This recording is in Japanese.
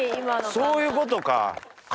そういうことか。